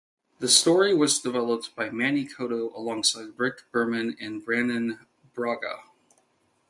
The story was developed by Manny Coto alongside Rick Berman and Brannon Braga.